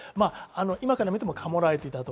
今から見てもカモられていたと。